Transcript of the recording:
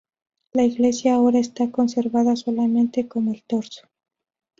La iglesia ahora está conservada solamente como el torso.